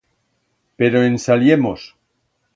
Pero en saliemos.